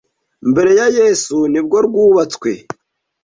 mbere ya Yesu nibwo rwubatswe